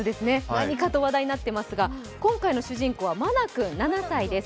何かと話題になっていますが今回の主人公はマナ君７歳です。